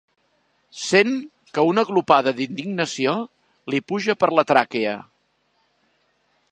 Sent que una glopada d'indignació li puja per la tràquea.